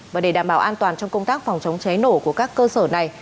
và để đảm bảo an toàn trong công tác phòng chống cháy nổ của các cơ sở này